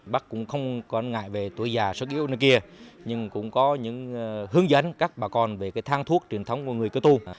bác cũng không còn ngại về tuổi già sức yếu nhưng cũng có những hướng dẫn các bà con về cái thang thuốc truyền thống của người cơ tu